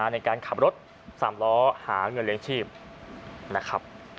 ในการขับรถสามล้อหาเงินเลี้ยงชีพนะครับ